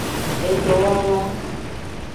Edowawa.